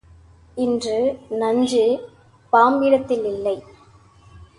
இன்று நஞ்சு பாம்பிடத்தில் இல்லை.